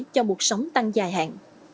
cho một sóng tăng dài hạn